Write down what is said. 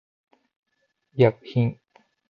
医薬品